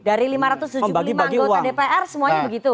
dari lima ratus tujuh puluh lima anggota dpr semuanya begitu